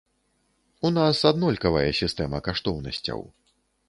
У нас аднолькавая сістэма каштоўнасцяў.